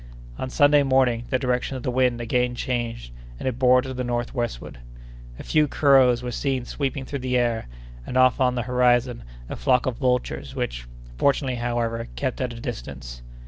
On Sunday morning, the direction of the wind again changed, and it bore to the northwestward. A few crows were seen sweeping through the air, and, off on the horizon, a flock of vultures which, fortunately, however, kept at a distance.